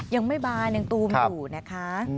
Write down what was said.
ยังไม่บานยังตูมอยู่นะคะ